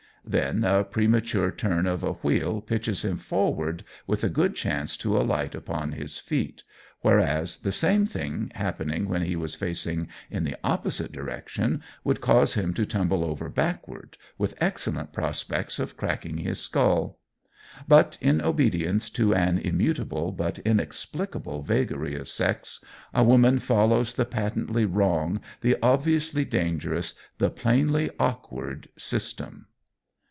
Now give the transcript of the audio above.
Then, a premature turn of a wheel pitches him forward with a good chance to alight upon his feet, whereas the same thing happening when he was facing in the opposite direction would cause him to tumble over backward, with excellent prospects of cracking his skull. But in obedience to an immutable but inexplicable vagary of sex, a woman follows the patently wrong, the obviously dangerous, the plainly awkward system.